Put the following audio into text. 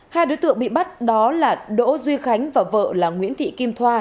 hai đối tượng bị bắt đó là đỗ duy khánh và vợ là nguyễn thị kim thoa